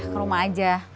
ke rumah aja